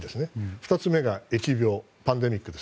２つ目が疫病、パンデミック。